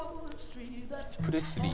プレスリー？